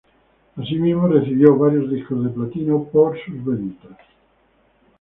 Asimismo, recibió varios discos de platino por sus ventas.